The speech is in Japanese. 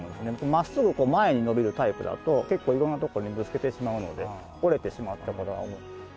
真っすぐ前に伸びるタイプだと結構いろんなとこにぶつけてしまうので折れてしまう事がある。